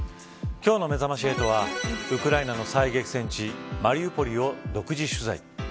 今日のめざまし８はウクライナの最激戦地マリウポリを独自取材。